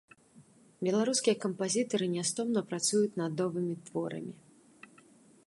Беларускія кампазітары нястомна працуюць над новымі творамі.